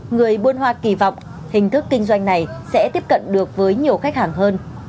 người buôn hoa kỳ vọng hình thức kinh doanh này sẽ tiếp cận được với nhiều khách hàng hơn